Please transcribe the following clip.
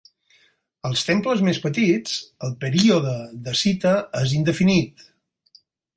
Als temples més petits, el període de cita és indefinit.